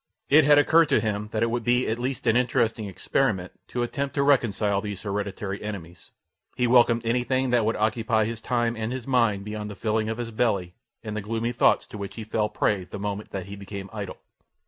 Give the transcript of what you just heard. It had occurred to him that it would be at least an interesting experiment to attempt to reconcile these hereditary enemies. He welcomed anything that would occupy his time and his mind beyond the filling of his belly and the gloomy thoughts to which he fell prey the moment that he became idle.